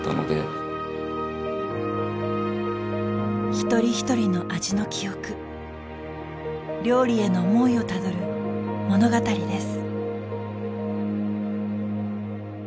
一人一人の味の記憶料理への思いをたどる物語です。